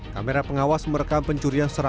kamera pengawas merekam pencurian